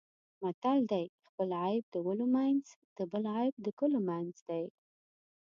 متل دی: خپل عیب د ولو منځ د بل عیب د کلو منځ دی.